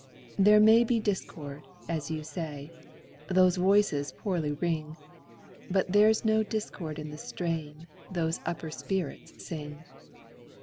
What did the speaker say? There may be discord, as you say; Those voices poorly ring; But there's no discord in the strain Those upper spirits sing.